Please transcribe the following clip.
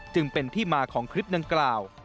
จึงเป็นที่มาของคลิปดังกล่าว